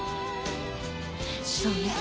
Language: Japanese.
そうね。